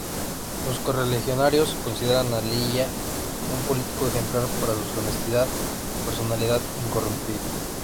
Sus correligionarios consideran a Illia un político ejemplar, por su honestidad y personalidad incorruptible.